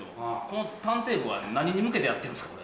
この探偵部は何に向けてやってるんですか？